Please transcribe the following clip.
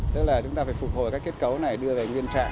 tức là chúng ta phải phục hồi các kết cấu này đưa về nguyên trạng